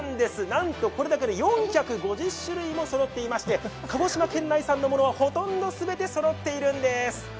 なんとこれだけで４５０種類もそろっていまして鹿児島県内産のものはほとんどすべてそろっているんです。